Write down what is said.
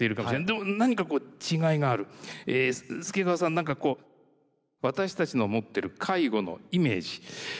でも何かこう違いがある助川さん何かこう私たちの持ってる介護のイメージ。